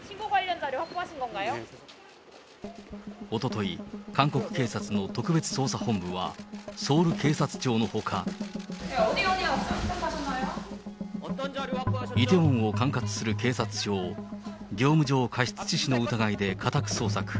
おととい、韓国警察の特別捜査本部はソウル警察庁のほか、イテウォンを管轄する警察署を業務上過失致死の疑いで家宅捜索。